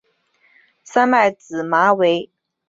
三脉紫麻为荨麻科长梗紫麻属下的一个种。